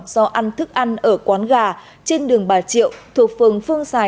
do ăn thức ăn ở quán gà trên đường bà triệu thuộc phường phương xài